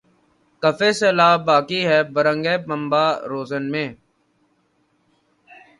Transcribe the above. کفِ سیلاب باقی ہے‘ برنگِ پنبہ‘ روزن میں